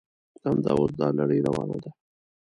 همدا اوس دا لړۍ روانه ده.